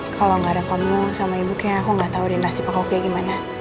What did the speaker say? kalo ga ada kamu sama ibunya aku gatau di nasib aku kayak gimana